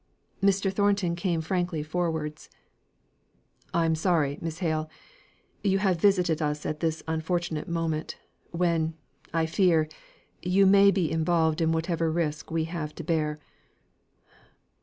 Mr. Thornton came frankly forwards: "I'm sorry, Miss Hale, you have visited us at this unfortunate moment, when, I fear, you may be involved in whatever risk we have to bear.